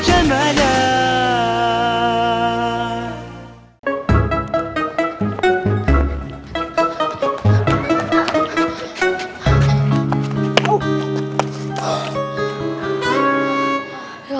cepet banget ya